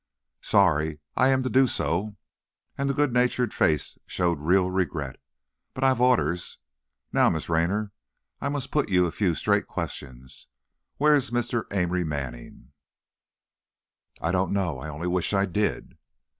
"Sorry I am to do so," and the good natured face showed real regret; "but I've orders. Now, Miss Raynor, I must put you a few straight questions. Where's Mr. Amory Manning?" "I don't know! I only wish I did!"